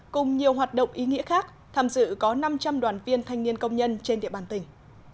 cùng nhiều hoạt động ý nghĩa khác tham dự có năm trăm linh đoàn viên thanh niên công nhân trên địa bàn tỉnh